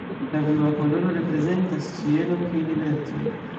La blua koloro reprezentas ĉielon kaj liberecon.